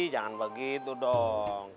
jangan begitu dong